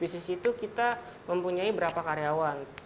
di sisi itu kita mempunyai berapa karyawan